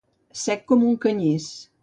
Sec com un canyís.